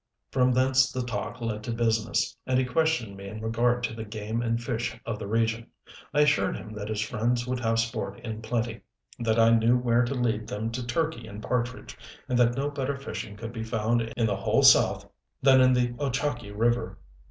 From thence the talk led to business, and he questioned me in regard to the game and fish of the region. I assured him that his friends would have sport in plenty, that I knew where to lead them to turkey and partridge, and that no better fishing could be found in the whole south than in the Ochakee River.